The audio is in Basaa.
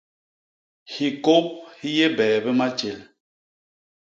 Hikôp hi yé bee bi matjél.